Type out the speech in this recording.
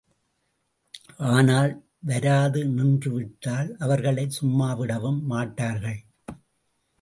ஆனால், வராது நின்று விட்டால் அவர்களைச் சும்மா விடவும் மாட்டார்கள்.